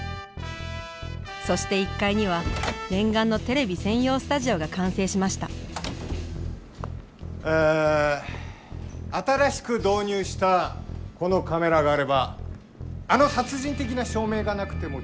そして１階には念願のテレビ専用スタジオが完成しましたえ新しく導入したこのカメラがあればあの殺人的な照明がなくてもちゃんと映るからね。